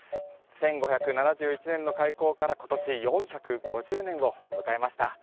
１５７１年の開港からことし４５０年を迎えました。